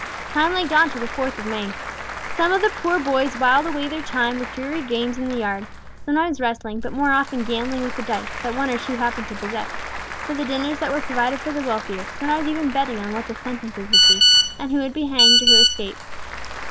Time lagged on till the 4th of May. Some of the poor boys whiled away their time with dreary games in the yard, sometimes wrestling, but more often gambling with the dice, that one or two happened to possess, for the dinners that were provided for the wealthier, sometimes even betting on what the sentences would be, and who would be hanged, or who escape.